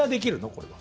これは。